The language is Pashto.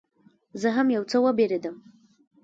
زه هم یو څه وبېرېدم.